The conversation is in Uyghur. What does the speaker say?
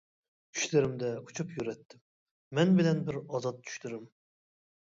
چۈشلىرىمدە ئۇچۇپ يۈرەتتىم، مەن بىلەن بىر ئازاد چۈشلىرىم.